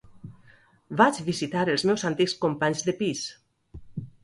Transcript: Vaig visitar els meus antics companys de pis.